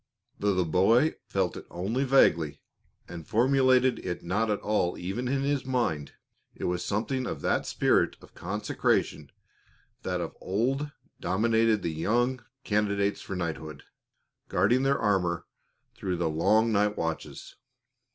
Though the boy felt it only vaguely, and formulated it not at all even in his mind, it was something of that spirit of consecration that of old dominated the young candidates for knighthood, guarding their armor through the long night watches.